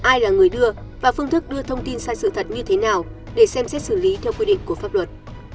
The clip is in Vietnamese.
ai là người đưa và phương thức đưa thông tin sai sự thật như thế nào để xem xét xử lý theo quy định của pháp luật